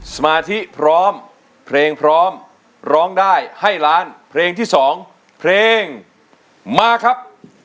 สมาธิพร้อมเพลงพร้อมร้องได้ให้ล้านเพลงที่๒เพลงมาครับ